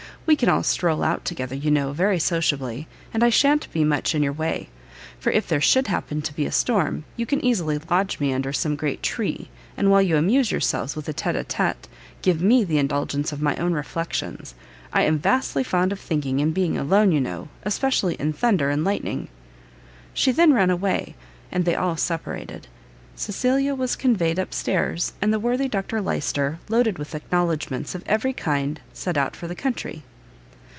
We can all stroll out together, you know, very sociably; and I sha'n't be much in your way, for if there should happen to be a storm, you can easily lodge me under some great tree, and while you amuse yourselves with a tete a tete, give me the indulgence of my own reflections. I am vastly fond of thinking, and being alone, you know, especially in thunder and lightning!" She then ran away; and they all separated: Cecilia was conveyed up stairs, and the worthy Dr Lyster, loaded with acknowledgments of every kind, set out for the country.